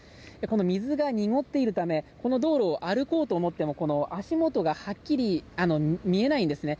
水が濁っているためこの道路を歩こうと思っていても足元がはっきり見えないんですね。